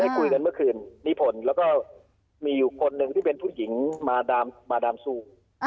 คุยกันเมื่อคืนนิพนธ์แล้วก็มีอยู่คนหนึ่งที่เป็นผู้หญิงมาดามซู